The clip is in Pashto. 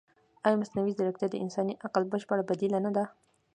ایا مصنوعي ځیرکتیا د انساني عقل بشپړه بدیله نه ده؟